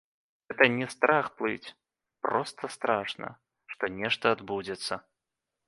Гэта не страх плыць, проста страшна, што нешта адбудзецца.